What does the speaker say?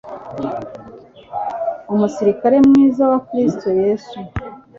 umusirikare mwiza wa Kristo Yesu